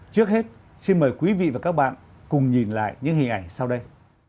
trước hết xin mời quý vị và các bạn cùng nhìn lại những hình ảnh sau đây